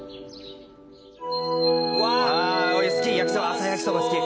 朝焼きそば好き。